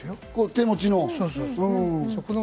手持ちの。